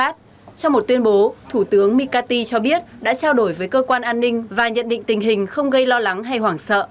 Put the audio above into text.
trong một tuyên bố thủ tướng mikati cho biết đã trao đổi với cơ quan an ninh và nhận định tình hình không gây lo lắng hay hoảng sợ